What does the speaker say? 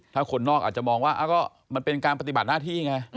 ถ้าคนนอกอาจจะมองว่าก็มันเป็นการปฏิบัติหน้าที่ไง